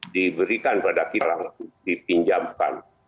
diberikan pada kita dipinjamkan